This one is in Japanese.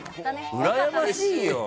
うらやましいよ。